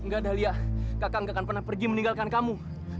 enggak dahlia kakak gak akan pernah pergi meninggalkan kamu